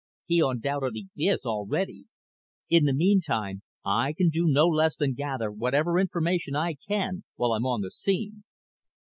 He undoubtedly is already. In the meantime, I can do no less than gather whatever information I can while I'm on the scene."